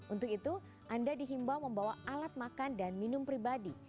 untuk itu anda dihimbau membawa alat makan dan minum pribadi